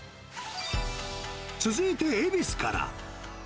続いて恵比寿から。